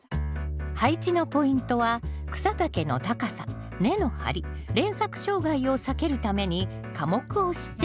配置のポイントは草丈の高さ根の張り連作障害を避けるために科目を知っておくこと